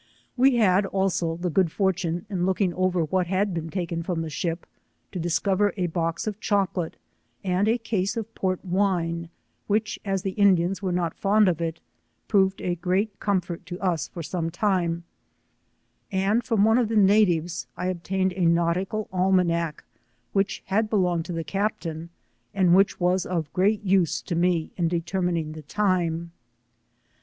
We had also the good fortune, in looking over what had been taken from the ship, to discover a box of chocolate, and a case of port wine, which as tlio Indiana were not fond of it, proved a great com fort to OS for some time, and from one of the natives I obtained a nautical almanack, which had belonged io the Captaiay.and vvhich was of great use to me in determining the time.